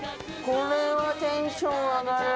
これはテンション上がる